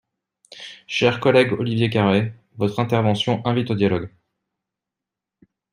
Cher collègue Olivier Carré, votre intervention invite au dialogue.